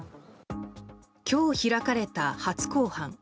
今日、開かれた初公判。